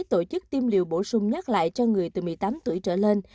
tổ chức tiêm liều bổ sung nhắc lại cho người từ một mươi tám tuổi trở lên